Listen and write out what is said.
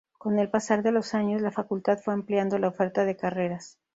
Con el pasar de los años, la facultad fue ampliando la oferta de carreras.